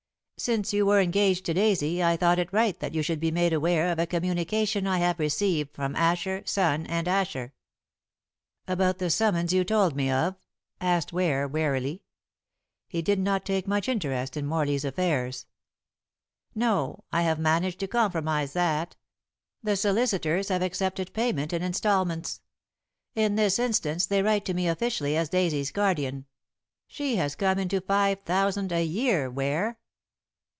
"Since you were engaged to Daisy I thought it right that you should be made aware of a communication I have received from Asher, Son, and Asher." "About the summons you told me of?" asked Ware wearily. He did not take much interest in Morley's affairs. "No. I have managed to compromise that. The solicitors have accepted payment in instalments. In this instance they write to me officially as Daisy's guardian. She has come into five thousand a year, Ware."